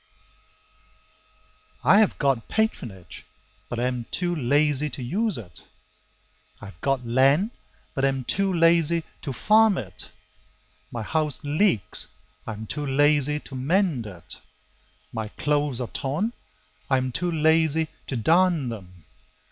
811] I have got patronage, but am too lazy to use it; I have got land, but am too lazy to farm it. My house leaks; I am too lazy to mend it. My clothes are torn; I am too lazy to darn them.